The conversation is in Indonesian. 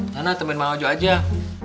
nana temen bang mojo aja